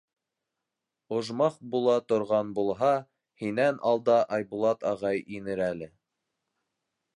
Ожмах була торған булһа, һинән алда Айбулат ағай инер әле.